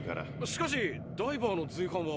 しかしダイバーの随伴は。